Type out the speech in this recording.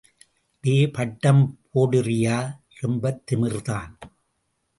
டே பட்டம் போடறியா?... ரொம்பத் திமிர்தான்!